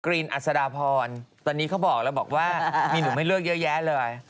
รีนอัศดาพรตอนนี้เขาบอกแล้วบอกว่ามีหนุ่มให้เลือกเยอะแยะเลย